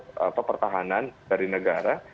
ini adalah pertahanan dari negara